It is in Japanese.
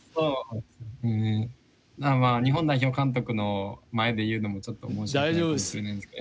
うんまあ日本代表監督の前で言うのもちょっと申し訳ないかもしれないんですけど。